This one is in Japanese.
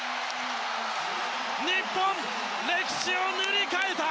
日本、歴史を塗り替えた！